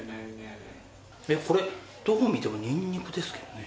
これ、どう見てもニンニクですけどね。